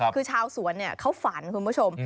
คือชาวสวนเขาฝันคุณผู้ชม